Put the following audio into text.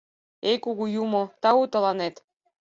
Эй, кугу юмо, тау тыланет.